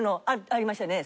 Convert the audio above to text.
ありましたよね？